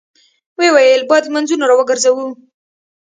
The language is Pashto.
ويې ويل: بايد لمونځونه راوګرځوو!